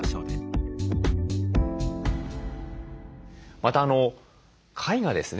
また会がですね